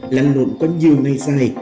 lăn lộn qua nhiều ngày dài